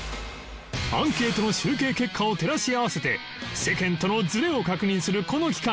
アンケートの集計結果を照らし合わせて世間とのズレを確認するこの企画